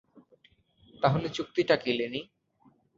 তাহলে, চুক্তিটা কী, লেনি?